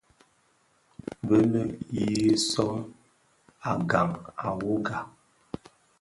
Bèleg yi sóm à gang à wogà.